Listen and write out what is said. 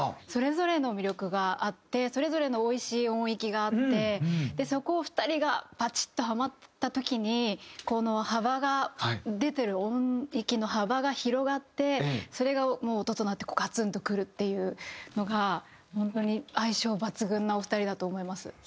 それぞれの魅力があってそれぞれのおいしい音域があってそこを２人がバチッとハマった時にこの幅が出てる音域の幅が広がってそれが音となってガツンとくるっていうのが本当に相性抜群のお二人だと思います。